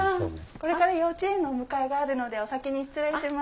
これから幼稚園のお迎えがあるのでお先に失礼します。